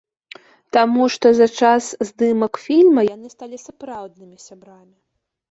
Таму што за час здымак фільма яны сталі сапраўднымі сябрамі.